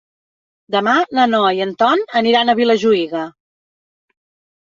Demà na Noa i en Ton aniran a Vilajuïga.